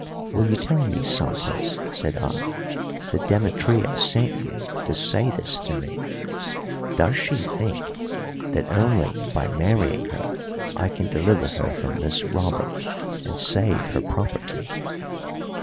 "Will you tell me, Santos," said I, "that Demetria sent you to say this to me? Does she think that only by marrying her I can deliver her from this robber and save her property?"